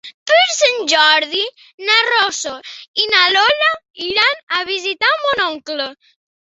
Per Sant Jordi na Rosó i na Lola iran a visitar mon oncle.